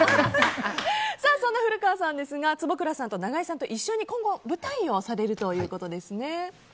そんな古川さんですが坪倉さんと長井さんと一緒に今後舞台をされるということですね。